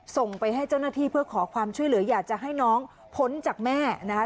ส่งไปให้เจ้าหน้าที่เพื่อขอความช่วยเหลืออยากจะให้น้องพ้นจากแม่นะคะ